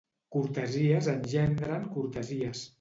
Cortesies engendren cortesies.